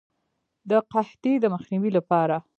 د قحطۍ د مخنیوي لپاره.